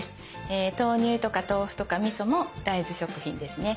豆乳とか豆腐とかみそも大豆食品ですね。